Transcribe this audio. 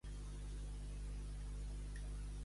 No et cuidessis de ningú, Déu vindria més amb tu.